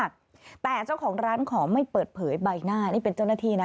แต่เจ้าของร้านขอไม่เปิดเผยใบหน้านี่เป็นเจ้าหน้าที่นะ